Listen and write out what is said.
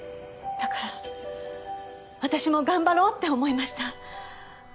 だから私も頑張ろうって思いました。